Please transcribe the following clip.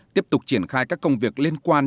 tiếp tục triển khai các công việc liên quan